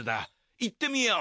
行ってみよう。